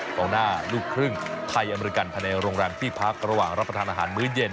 ของหน้าลูกครึ่งไทยอเมริกันภายในโรงแรมที่พักระหว่างรับประทานอาหารมื้อเย็น